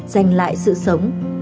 dành lại sự sống